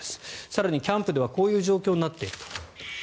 更にキャンプではこういう状況になっていると。